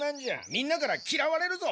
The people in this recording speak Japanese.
みんなからきらわれるぞ。